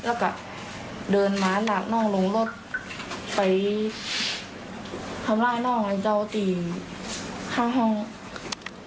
แล้วก็เดินผมาดหลากน้องลงรถไปทำลายน้องลงจ้าวติดข้างหรอ